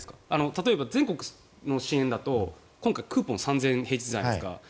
例えば、全国の支援だと今回クーポン３０００円平日じゃないですか。